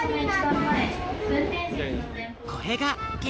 これがけ